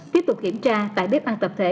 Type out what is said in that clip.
tiếp tục kiểm tra tại bếp ăn tập thể